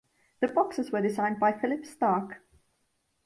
The boxes were designed by Philippe Starck.